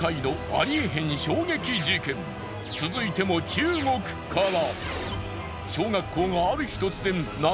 続いても中国から。